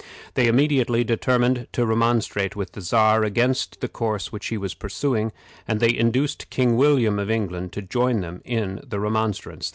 They immediately determined to remonstrate with the Czar against the course which he was pursuing, and they induced King William, of England, to join them in the remonstrance.